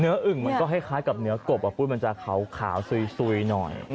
เนื้ออึ่งก็คล้ายกับเนื้อกบปุ้ยจะขาวซุยหน่อย